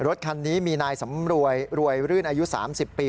รถคันนี้มีนายสำรวยรวยรื่นอายุ๓๐ปี